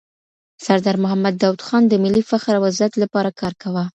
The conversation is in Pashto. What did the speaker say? سردار محمد داود خان د ملي فخر او عزت لپاره کار کاوه.